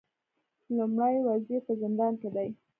لومړی وزیر په زندان کې دی